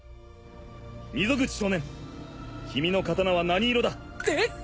溝口少年君の刀は何色だ？えっ！？